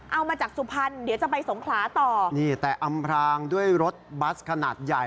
เอามาจากสุพรรณเดี๋ยวจะไปสงขลาต่อนี่แต่อำพรางด้วยรถบัสขนาดใหญ่